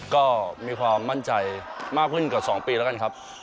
ก็มีความมั่นใจมากขึ้นกว่า๒ปีแล้วกันครับ